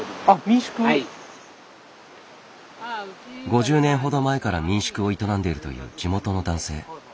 ５０年ほど前から民宿を営んでいるという地元の男性。